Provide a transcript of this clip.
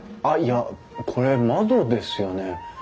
あっいやこれ窓ですよね？